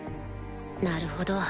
なるほど。